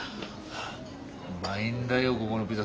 うまいんだよこごのピザ。